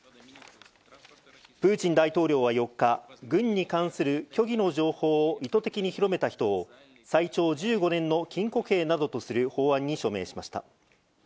プーチン大統領は４日、軍に関する虚偽の情報を意図的に広めた人を、最長１５年の禁錮刑などとする法案に署名しました。